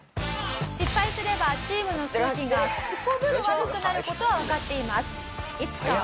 失敗すればチームの空気がすこぶる悪くなる事はわかっています。